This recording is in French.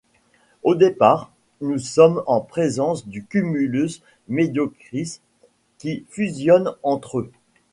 Au départ, nous sommes en présence de cumulus mediocris qui fusionnent entre eux.